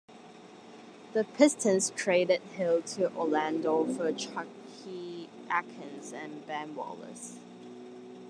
The Pistons traded Hill to Orlando for Chucky Atkins and Ben Wallace.